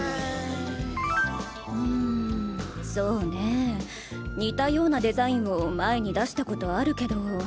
うんそうねぇ似たようなデザインを前に出したことあるけど。